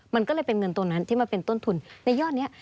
มันก็เลยเป็นเงินตัวนั้นที่มาเป็นต้นทุนในยอดนี้